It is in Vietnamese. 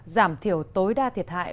giảm thiểu tối đa thiệt hại